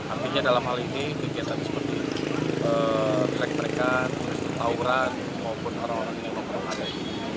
artinya dalam hal ini kegiatan seperti elektrikan tawuran maupun orang orang yang mengadai